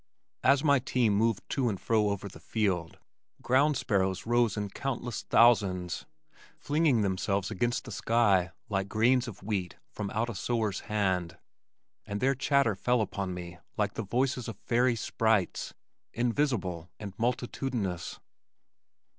As my team moved to and fro over the field, ground sparrows rose in countless thousands, flinging themselves against the sky like grains of wheat from out a sower's hand, and their chatter fell upon me like the voices of fairy sprites, invisible and multitudinous.